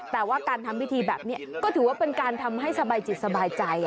แต่ว่าการทำพิธีแบบนี้ก็ถือว่าเป็นการทำให้สบายจิตสบายใจ